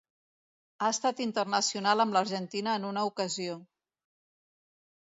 Ha estat internacional amb l'Argentina en una ocasió.